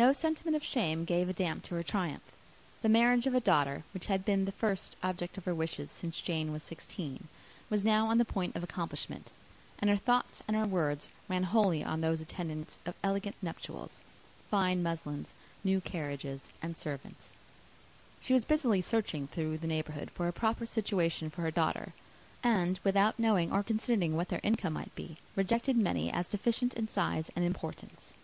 No sentiment of shame gave a damp to her triumph. The marriage of a daughter, which had been the first object of her wishes since Jane was sixteen, was now on the point of accomplishment, and her thoughts and her words ran wholly on those attendants of elegant nuptials, fine muslins, new carriages, and servants. She was busily searching through the neighbourhood for a proper situation for her daughter; and, without knowing or considering what their income might be, rejected many as deficient in size and importance.